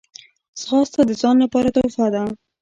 ځغاسته د ځان لپاره تحفه ده